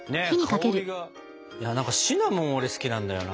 いや何かシナモン俺好きなんだよな。